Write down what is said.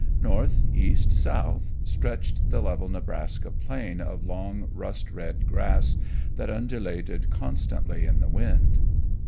North, east, south, stretched the level Nebraska plain of long rust red grass that undulated constantly in the wind.